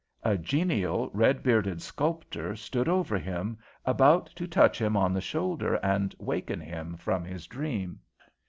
A genial, red bearded sculptor stood over him, about to touch him on the shoulder and waken him from his dream.